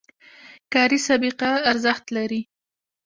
کاري سابقه ارزښت لري